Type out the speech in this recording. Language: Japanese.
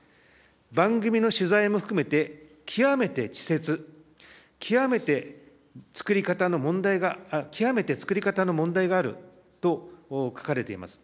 番組の取材も含めて、極めて稚拙、極めて作り方の問題が、極めて作り方の問題があると書かれています。